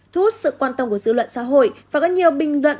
thu hút sự quan tâm của dư luận xã hội và có nhiều bình luận